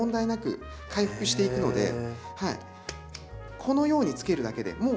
このようにつけるだけでもう。